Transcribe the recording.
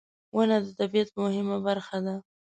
• ونه د طبیعت مهمه برخه ده.